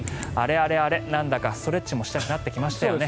あれあれ、なんだかストレッチもしたくなってきましたよね。